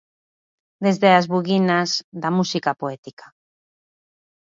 Desde as buguinas da música poética.